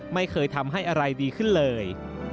ไม่เคยทำให้อะไรดีขึ้นเลย